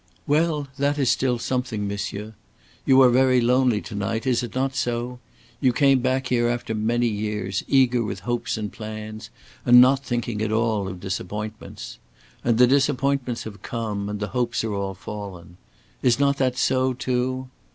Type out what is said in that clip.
"Well, that is still something, monsieur. You are very lonely to night, is it not so? You came back here after many years, eager with hopes and plans and not thinking at all of disappointments. And the disappointments have come, and the hopes are all fallen. Is not that so, too?